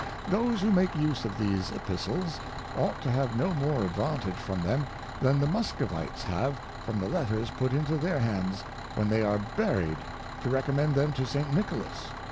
Those who make use of these Epistles, ought to have no more advantage from them, than the Muscovites have from the Letters put into their hands, when they are buried, to recommend them to St. Nicholas.